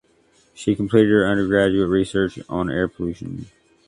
She completed her undergraduate research on air pollution.